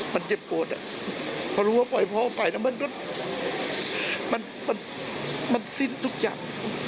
มันเจ็ดปวดอะเพราะรู้ว่าปล่อยพ่อไปนะมันสิ้นทุกอย่าง